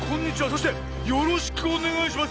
そしてよろしくおねがいします。